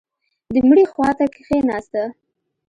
د مړي خوا ته کښېناسته.